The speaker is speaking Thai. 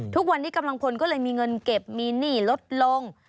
ทุกวันนี้กำลังพลก็เลยมีเงินเก็บมีหนี้ลดลง